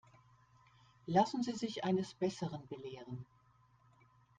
Lassen Sie sich eines Besseren belehren.